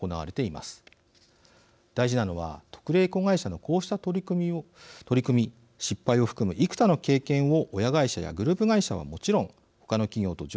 大事なのは特例子会社のこうした取り組み失敗を含む幾多の経験を親会社やグループ会社はもちろん他の企業と情報共有することです。